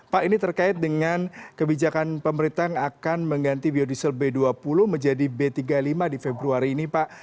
pak ini terkait dengan kebijakan pemerintah yang akan mengganti biodiesel b dua puluh menjadi b tiga puluh lima di februari ini pak